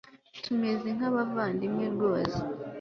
tumeze nkabavandimwe rwose